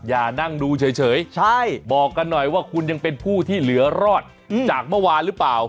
อย่านั่งดูเฉยบอกกันหน่อยว่าคุณยังเป็นผู้ที่เหลือรอดจากเมื่อวานหรือเปล่า